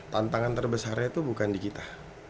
tantangan terbesarnya itu bukan di kita